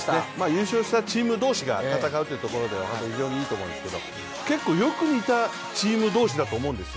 優勝したチーム同士が戦うというところでは非常にいいと思うんですけど結構、よく似たチーム同士だと思うんです。